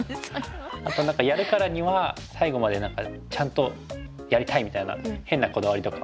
あと何かやるからには最後までちゃんとやりたいみたいな変なこだわりとかあったり。